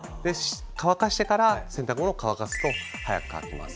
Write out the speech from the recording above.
乾かしてから洗濯物乾かすと早く乾きます。